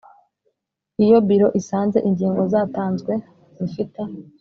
Iyo Biro isanze ingingo zatanzwe zifite